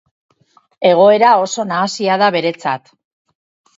Egoera oso nahasia da beretzat.